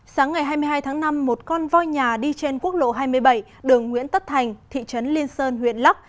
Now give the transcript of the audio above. sáng ngày hai mươi hai tháng năm một con voi nhà đi trên quốc lộ hai mươi bảy đường nguyễn tất thành thị trấn liên sơn huyện lắc